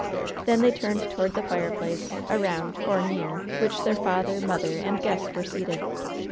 Then they turned toward the fireplace, around, or near, which their father, mother and guest were seated.